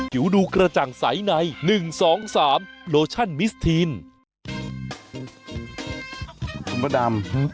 หัวใกล้เข้าใหญ่ดีใจ